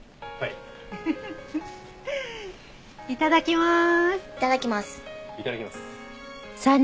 いただきます。